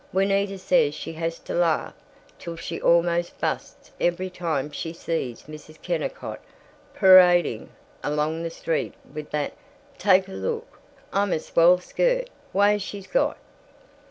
Juanita says she has to laugh till she almost busts every time she sees Mrs. Kennicott peerading along the street with that 'take a look I'm a swell skirt' way she's got.